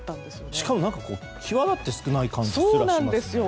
しかも、際立って少ない感じすらしますね。